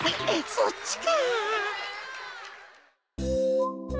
そっちか。